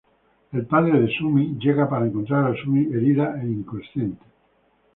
El padre de Su-mi llega para encontrar a Su-mi herida e inconsciente.